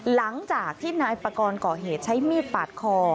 หลังจากที่นายปากรก่อเหตุใช้มีดปาดคอ